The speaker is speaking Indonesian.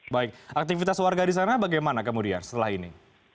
baik aktivitas warga di sana bagaimana kemudian setelah ini